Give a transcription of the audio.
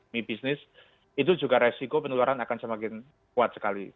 mie bisnis itu juga resiko penularan akan semakin kuat sekali